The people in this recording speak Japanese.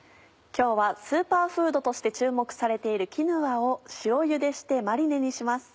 今日はスーパーフードとして注目されているキヌアを塩ゆでしてマリネにします。